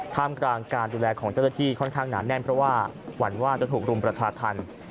ท่ามกลางการดูแลของเจ้าหน้าที่ค่อนข้างหนาแน่นเพราะว่าหวั่นว่าจะถูกรุมประชาธรรม